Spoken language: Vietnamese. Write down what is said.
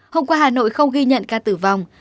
hôm qua hà nội không ghi nhận ca tử vong